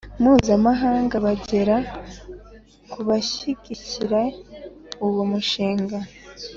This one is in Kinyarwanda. Mpuzamahanga bagera ku bashyigikiye uwo mushinga